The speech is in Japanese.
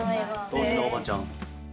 答志のおばちゃん。